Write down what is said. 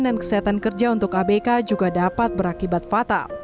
dan kesehatan kerja untuk abk juga dapat berakibat fatal